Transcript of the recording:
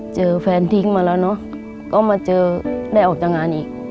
เจอแฟนทิ้งมาแล้วเนอะก็มาเจอได้ออกจากงานอีก